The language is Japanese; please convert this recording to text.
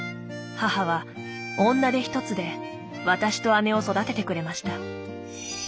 母は女手一つで私と姉を育ててくれました。